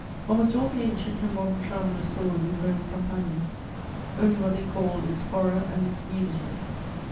Almost all the ancient and modern travellers saw in the Roman Campagna only what they call "its horror and its nudity."